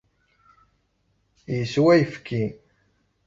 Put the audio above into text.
Yeswa ayefki.